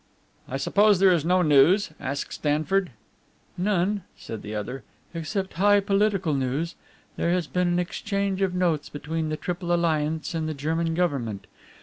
"I suppose there is no news?" asked Stanford. "None," said the other, "except high political news. There has been an exchange of notes between the Triple Alliance and the German Government.